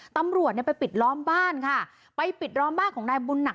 ตำรวจเนี่ยไปปิดล้อมบ้านค่ะไปปิดล้อมบ้านของนายบุญหนัก